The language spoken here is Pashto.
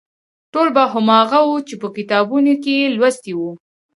ټول به هماغه و چې په کتابونو کې یې لوستي وو.